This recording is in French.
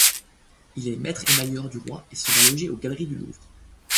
Il est maître émailleur du roi et sera logé au Galeries du Louvre.